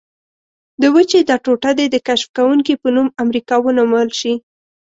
د وچې دا ټوټه دې د کشف کوونکي په نوم امریکا ونومول شي.